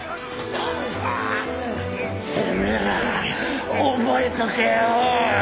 てめえら覚えとけよ！